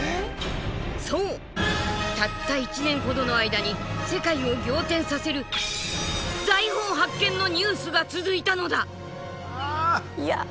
そうたった１年ほどの間に世界を仰天させる財宝発見のニュースが続いたのだ！